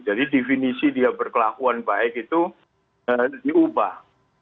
jadi definisi dia berkelakuan baik itu diubah